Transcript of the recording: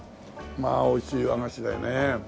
まあおいしい和菓子だよね。